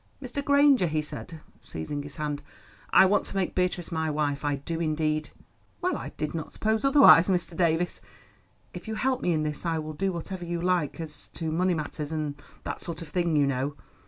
"Mr. Granger," he said, seizing his hand, "I want to make Beatrice my wife—I do indeed." "Well, I did not suppose otherwise, Mr. Davies." "If you help me in this I will do whatever you like as to money matters and that sort of thing, you know.